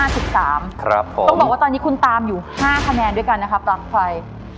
ต้องบอกว่าตอนนี้คุณตามอยู่๕คะแนนด้วยกันนะครับปลั๊กไฟ